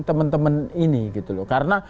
temen temen ini gitu loh karena